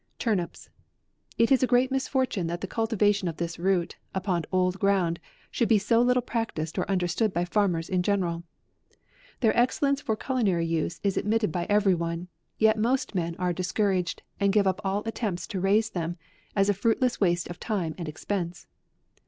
TURNIPS. It is a great misfortune that the cultivation of this root, upon old ground, should be so little practiced or understood by farmers in general. Their excellence for culinary use is admitted by every one ; yet most men are discouraged, and give up all attempts to raise them, as a fruitless waste of time and expense.